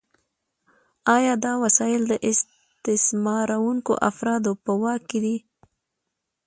آیا دا وسایل د استثمارونکو افرادو په واک کې دي؟